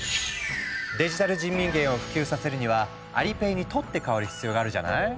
デジタル人民元を普及させるにはアリペイに取って代わる必要があるじゃない？